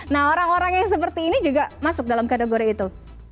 nah orang orang yang seperti ini juga masuk dalam kategori itu